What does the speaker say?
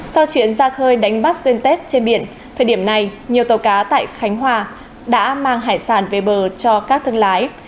sau chuyến ra khơi đánh bắt xuyên tết trên biển thời điểm này nhiều tàu cá tại khánh hòa đã mang hải sản về bờ cho các thương lái